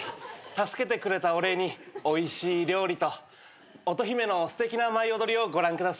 助けてくれたお礼においしい料理と乙姫のすてきな舞い踊りをご覧ください。